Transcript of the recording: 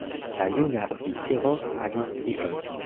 La juna oficiro havis tikon.